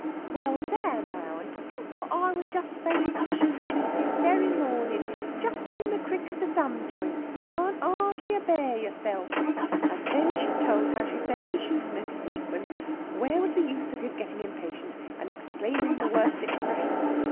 'Well, there now, and to think what I was just a sayin' to Shoosmith, this very morning! Just in the crick of the thumb joint, you can't 'ardly abear yourself!' And then she told how she said to Shoosmith frequent, where was the use of his getting impatient, and exclaimin' the worst expressions?